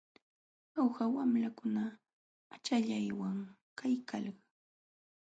Jauja wamlakuna achallawllam kaykalkan.